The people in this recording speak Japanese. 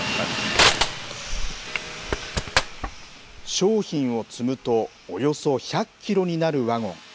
商品を積むとおよそ１００キロになるワゴン。